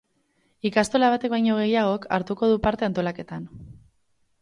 Ikastola batek baino gehiagok hartuko du parte antolaketan.